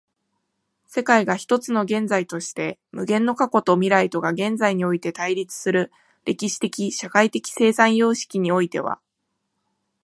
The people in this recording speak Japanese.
世界が一つの現在として、無限の過去と未来とが現在において対立する歴史的社会的生産様式においては、